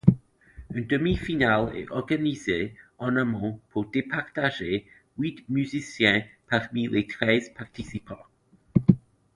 Une demi-finale est organisée en amont pour départager huit musiciens parmi les treize participants.